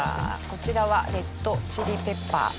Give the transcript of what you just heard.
こちらはレッドチリペッパー塩。